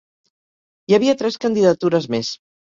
Hi havia tres candidatures més.